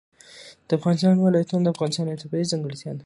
د افغانستان ولايتونه د افغانستان یوه طبیعي ځانګړتیا ده.